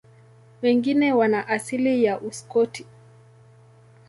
Wengi wana asili ya Uskoti.